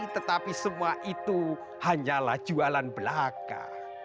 tetapi semua itu hanyalah jualan belaka